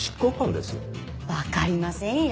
わかりませんよ